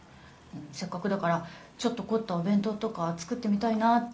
せっかくだからちょっと凝ったお弁当とか作ってみたいなって。